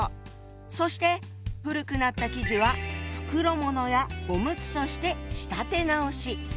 そして古くなった生地は袋ものやおむつとして仕立て直し。